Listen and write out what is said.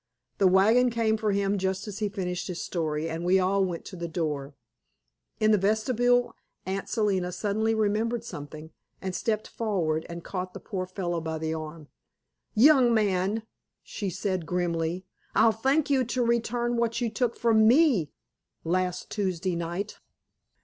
The wagon came for him just as he finished his story, and we all went to the door. In the vestibule Aunt Selina suddenly remembered something, and she stepped forward and caught the poor fellow by the arm. "Young man," she said grimly. "I'll thank you to return what you took from ME last Tuesday night."